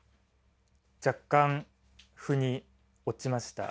若干腑に落ちました。